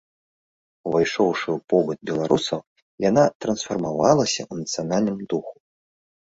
Увайшоўшы ў побыт беларусаў, яна трансфармавалася ў нацыянальным духу.